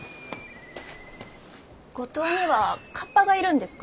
五島にはカッパがいるんですか？